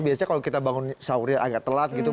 biasanya kalau kita bangun sahur ya agak telat gitu